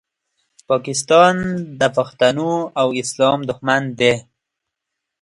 پاکستان د پښتنو او اسلام دوښمن دی